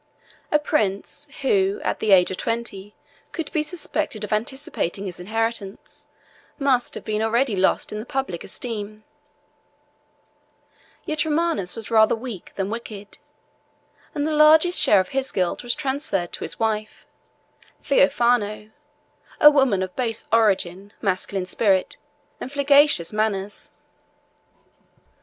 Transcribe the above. A prince who, at the age of twenty, could be suspected of anticipating his inheritance, must have been already lost in the public esteem; yet Romanus was rather weak than wicked; and the largest share of the guilt was transferred to his wife, Theophano, a woman of base origin masculine spirit, and flagitious manners.